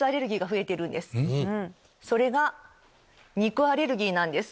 それが肉アレルギーなんです。